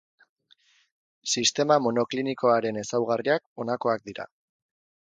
Sistema monoklinikoaren ezaugarriak honakoak dira.